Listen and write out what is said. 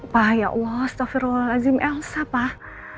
pak ya allah astagfirullahaladzim elsa pak